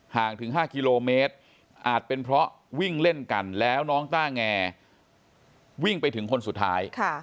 ถึง๕กิโลเมตรอาจเป็นเพราะวิ่งเล่นกันแล้วน้องต้าแงวิ่งไปถึงคนสุดท้าย